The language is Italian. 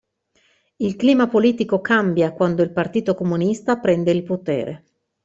Il clima politico cambia quando il partito comunista prende il potere.